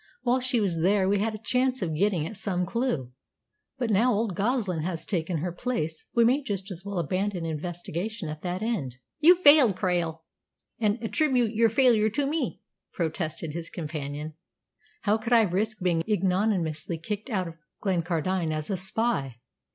"While she was there we had a chance of getting at some clue. But now old Goslin has taken her place we may just as well abandon investigation at that end." "You've failed, Krail, and attribute your failure to me," protested his companion. "How could I risk being ignominiously kicked out of Glencardine as a spy?"